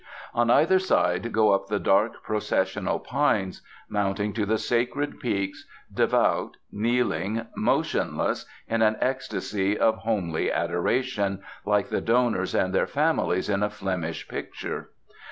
On either side go up the dark processional pines, mounting to the sacred peaks, devout, kneeling, motionless, in an ecstasy of homely adoration, like the donors and their families in a Flemish picture.